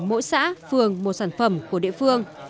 mỗi xã phường một sản phẩm của địa phương